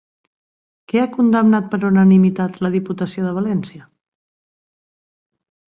Què ha condemnat per unanimitat la Diputació de València?